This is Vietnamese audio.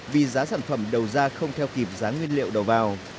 vì giá sản phẩm đầu ra không theo kịp giá nguyên liệu đầu vào